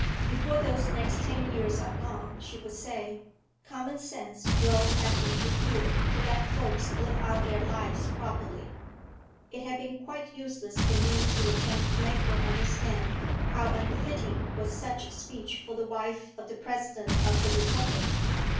"Before those next ten years are gone," she would say, "common sense will have interfered to let folks live out their lives properly." It had been quite useless for me to attempt to make her understand how unfitting was such a speech for the wife of the President of the Republic.